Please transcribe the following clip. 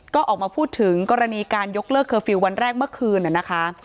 ก็ออกมาพูดถึงกรณีการยกเลิกเคอร์ฟิลล์วันแรกเมื่อคืนนะคะ